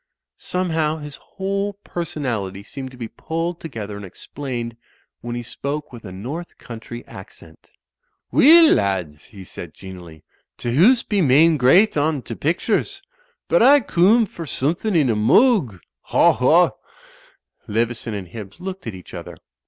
Somehow his whole personality seemed to be pulled together and explained when he spoke with a North Country accent. "Weel, lards," he said, genially, "t'hoose be main great on t'pictures. But I coom for suthin' in a moog. Haw! Haw!" Leveson and Hibbs looked at each other.